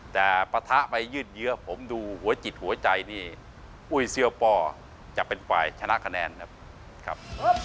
แต่ปะทะไปยืดเยื้อผมดูหัวจิตหัวใจนี่อุ้ยเสื้อปอจะเป็นฝ่ายชนะคะแนนนะครับ